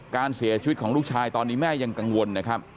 การเสียชีวิตของลูกชายตอนนี้แม่ยังกังวลนะครับ